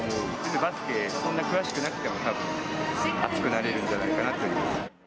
バスケ、そんな詳しくなくても、たぶん、熱くなれるんじゃないかなという。